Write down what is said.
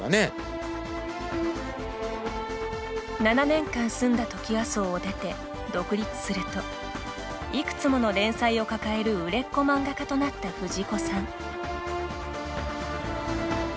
７年間住んだトキワ荘を出て独立するといくつもの連載を抱える売れっ子漫画家となった藤子さん。